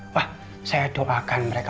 wah saya doakan mereka